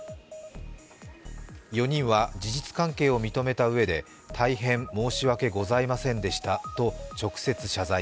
４人は事実関係を認めたうえで大変申し訳ございませんでしたと直接謝罪。